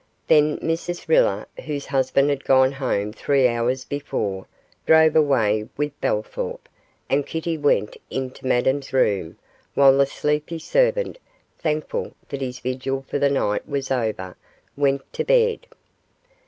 Then Mrs Riller, whose husband had gone home three hours before, drove away with Bellthorp, and Kitty went into Madame's room, while the sleepy servant, thankful that his vigil for the night was over, went to bed.